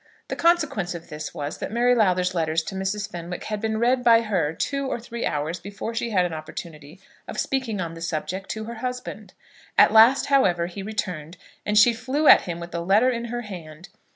The consequence of this was, that Mary Lowther's letters to Mrs. Fenwick had been read by her two or three hours before she had an opportunity of speaking on the subject to her husband. At last, however, he returned, and she flew at him with the letter in her hand.